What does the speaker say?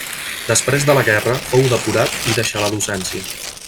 Després de la guerra fou depurat i deixà la docència.